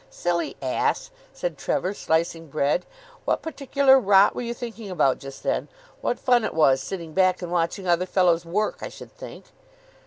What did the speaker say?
"Silly ass," said Trevor, slicing bread. "What particular rot were you thinking about just then? What fun it was sitting back and watching other fellows work, I should think."